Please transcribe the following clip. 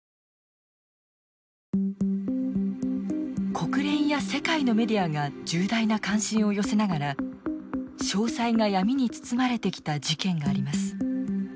国連や世界のメディアが重大な関心を寄せながら詳細が闇に包まれてきた事件があります。